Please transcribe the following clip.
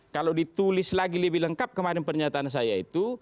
kalau ditulis lagi lebih lengkap kemarin pernyataan saya itu